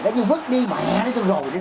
xuất vô xuất vô lấy cái giọt bụng đuôi